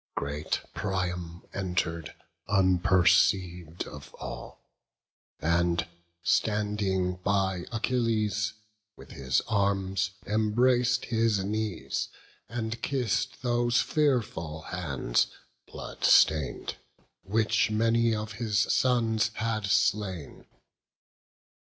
Great Priam enter'd, unperceiv'd of all; And standing by Achilles, with his arms Embrac'd his knees, and kiss'd those fearful hands, Blood stain'd, which many of his sons had slain.